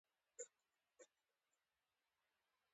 زه د لاسرسي ځانګړتیاوې کاروم.